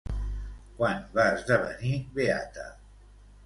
Quan va esdevenir beata?